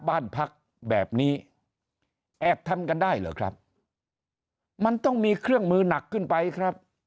บ้านพักแบบนี้แอบทำกันได้เหรอครับมันต้องมีเครื่องมือหนักขึ้นไปครับ